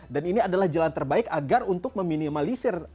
dan ini adalah jalan terbaik agar untuk meminimalisir